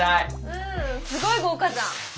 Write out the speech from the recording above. うんすごい豪華じゃん。